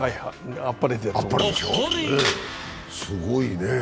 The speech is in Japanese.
すごいね。